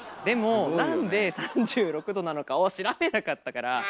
でもなんで３６℃なのかを調べなかったから。